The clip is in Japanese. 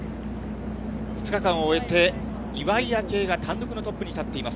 ２日間を終えて、岩井明愛が単独のトップに立っています。